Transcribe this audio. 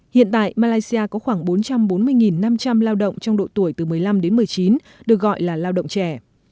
hiện tại malaysia có khoảng bốn trăm bốn mươi năm trăm linh lao động trong độ tuổi từ một mươi năm đến một mươi chín được gọi là lao động trẻ